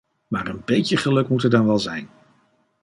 Maar een beetje geluk moet er dan wel zijn.